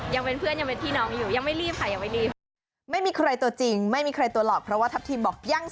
ยังเป็นเพื่อนยังเป็นพี่น้องอยู่ยังไม่รีบค่ะยังไม่รีบ